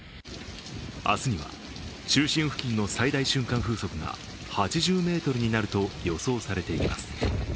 明日には中心付近の最大瞬間風速が８０メートルになると予想されています。